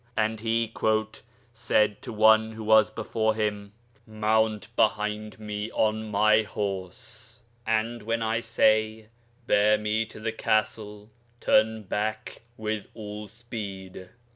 And he 'said to one who was beside him, "Mount behind me on my horse, and when I say, 'Bear me to the Castle,' turn back with all speed."